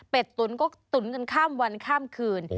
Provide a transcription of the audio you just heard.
เป็นตุ๋นก็ตุ๋นกันข้ามวันข้ามคืน